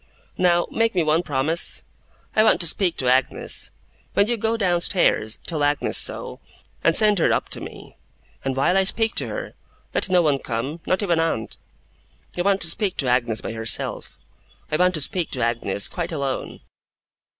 Now, make me one promise. I want to speak to Agnes. When you go downstairs, tell Agnes so, and send her up to me; and while I speak to her, let no one come not even aunt. I want to speak to Agnes by herself. I want to speak to Agnes, quite alone.